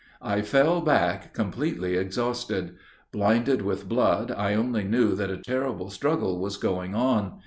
"I fell back completely exhausted. Blinded with blood, I only knew that a terrible struggle was going on.